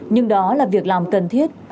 nhưng đó là việc làm cần thiết